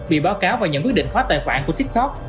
bị báo cáo và nhận quyết định khóa tài khoản của tiktok